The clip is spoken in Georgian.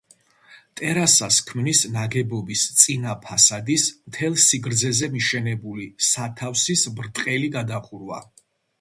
ტერასას ქმნის ნაგებობის წინა ფასადის მთელ სიგრძეზე მიშენებული სათავსის ბრტყელი გადახურვა.